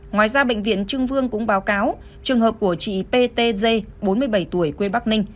ngoài ra bệnh viện trưng vương cũng báo cáo trường hợp của chị ptj bốn mươi bảy tuổi quê bắc ninh